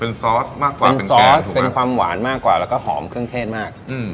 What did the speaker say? เป็นซอสมากกว่าเป็นแกงถูกไหมคะเป็นซอสเป็นความหวานมากกว่าแล้วก็หอมเครื่องเทศมาก